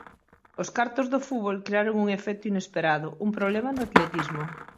Os cartos do fútbol crearon un efecto inesperado, un problema no atletismo.